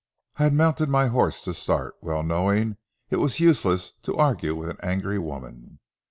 I had mounted my horse to start, well knowing it was useless to argue with an angry woman.